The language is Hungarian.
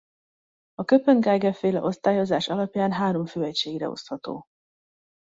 A Köppen-Geiger-féle osztályozás alapján három fő egységre osztható.